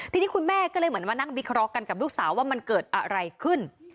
ทีนี้คุณแม่ก็เลยเหมือนมานั่งวิเคราะห์กันกับลูกสาวว่ามันเกิดอะไรขึ้น